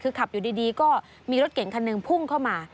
คือขับอยู่ดีก็มีรถเก่งคันหนึ่งพุ่งเข้ามา